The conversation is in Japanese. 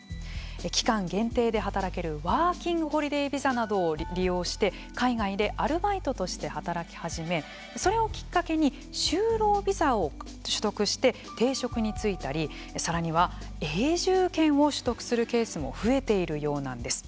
期間限定で働けるワーキングホリデービザなどを利用して海外でアルバイトとして働き始め、それをきっかけに就労ビザを取得して定職に就いたりさらには永住権を取得するケースも増えているようなんです。